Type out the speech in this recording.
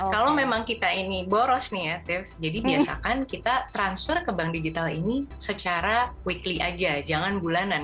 kalau memang kita ini boros nih ya tips jadi biasakan kita transfer ke bank digital ini secara weekly aja jangan bulanan